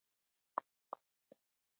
شتمن انسان تل د نورو لپاره د خیر سرچینه وي.